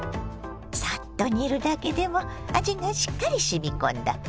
サッと煮るだけでも味がしっかりしみ込んだ